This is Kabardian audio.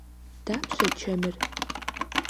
Дапщэ чэмыр?